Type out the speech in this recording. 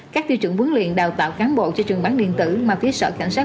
các tiêu chuẩn bướng liện đào tạo cán bộ cho trường bán điện tử mà phía sở cảnh sát